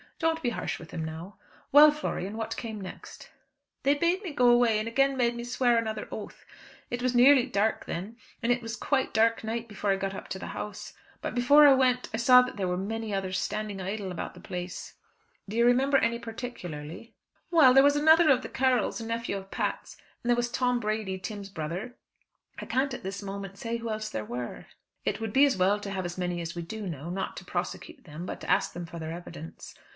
"Don't be harsh with him now. Well, Florian, what came next?" "They bade me go away, and again made me swear another oath. It was nearly dark then, and it was quite dark night before I got up to the house. But before I went I saw that there were many others standing idle about the place." "Do you remember any particularly?" "Well, there was another of the Carrolls, a nephew of Pat's; and there was Tony Brady, Tim's brother. I can't at this moment say who else there were." "It would be as well to have as many as we do know, not to prosecute them, but to ask them for their evidence.